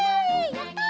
やった！